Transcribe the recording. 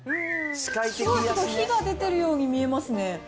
火が出ているように見えますね。